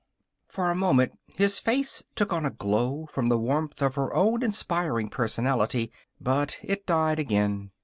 For a moment his face took on a glow from the warmth of her own inspiring personality. But it died again.